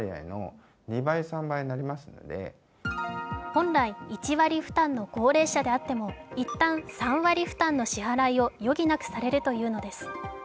本来、１割負担の高齢者であっても、一旦３割負担の支払いを余儀なくされるというのです。